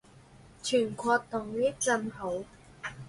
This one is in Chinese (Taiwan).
全國統一更好